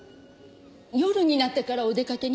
夜になってからお出かけになりました。